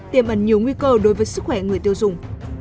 tiềm ẩn nhiều nguy cơ đối với sức khỏe người tiêu dùng